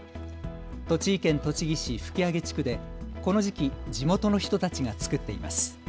栃木県栃木市吹上地区でこの時期地元の人たちが作っています。